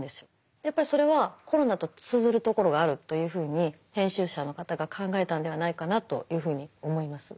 やっぱりそれはコロナと通ずるところがあるというふうに編集者の方が考えたんではないかなというふうに思います。